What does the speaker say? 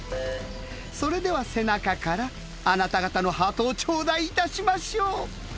それでは背中からあなた方のハートを頂戴いたしましょう！